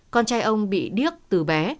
con trai ông bị điếc từ bé